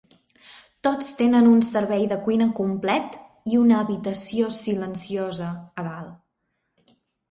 Tots tenen servei de cuina complet i una "habitació silenciosa" a dalt.